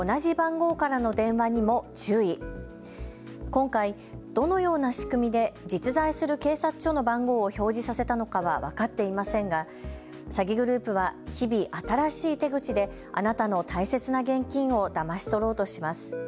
今回、どのような仕組みで実在する警察署の番号を表示させたのかは分かっていませんが詐欺グループは日々、新しい手口であなたの大切な現金をだまし取ろうとします。